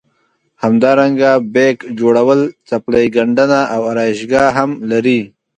همدارنګه بیک جوړول څپلۍ ګنډنه او ارایشګاه هم لري.